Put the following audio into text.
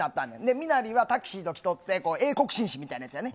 身なりはタキシード着とって、英国紳士みたいなやつやね。